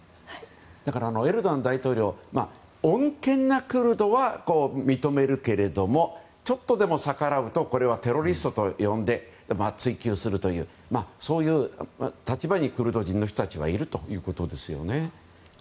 だからエルドアン大統領穏健なクルドは認めるけれどもちょっとでも逆らうとテロリストと呼んで追及するというそういう立場にクルド人の人たちはいるということですね。